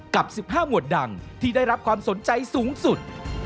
กับ๑๕หมวดดังที่ได้รับความสนใจสูงสุด